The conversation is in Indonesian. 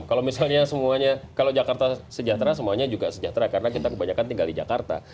kalau misalnya semuanya kalau jakarta sejahtera semuanya juga sejahtera karena kita kebanyakan tinggal di jakarta